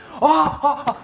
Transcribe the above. あっ！